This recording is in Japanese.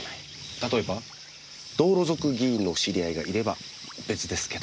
例えば道路族議員の知り合いがいれば別ですけど。